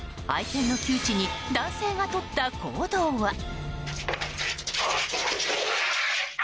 愛犬の窮地に男性がとった行動は。